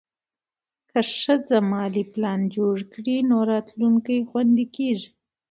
که ښځه مالي پلان جوړ کړي، نو راتلونکی خوندي کېږي.